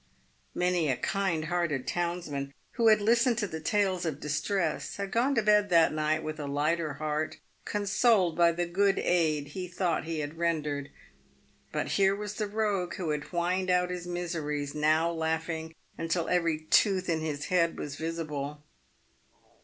Many a kind hearted townsman, who had listened to the tales of dis tress, had gone to bed that night with a lighter heart, consoled by the good aid he thought he had rendered. But here was the rogue who had whined out his miseries now laughing until every tooth in his head was visible.